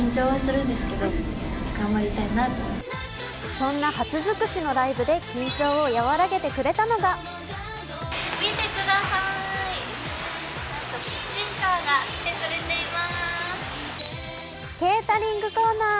そんな初づくしのライブで緊張を和らげてくれたのがケータリングコーナー。